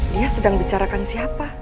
dia sedang bicarakan siapa